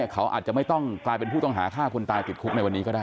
เขาอาจจะไม่ต้องกลายเป็นผู้ต้องหาฆ่าคนตายติดคุกในวันนี้ก็ได้